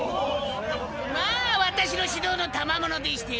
まあ私の指導のたまものでして。